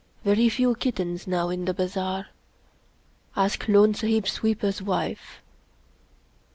Very few kittens now in the bazaar. Ask Lone Sahib's sweeper's wife."